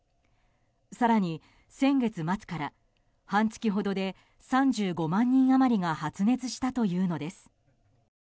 更に先月末から半月ほどで３５万人余りが発熱したというのです。